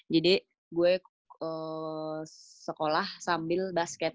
jadi gue sekolah sambil basket